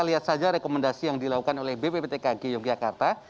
kita lihat saja rekomendasi yang dilakukan oleh bpptkg yogyakarta